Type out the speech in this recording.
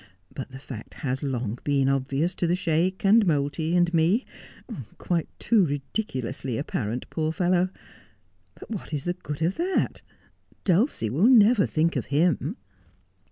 But the fact has long been obvious to the Sheik, and Moulty, and me — quite too ridiculously apparent, poor fellow. But what is the good of that 1 Dulcie will never think of him.'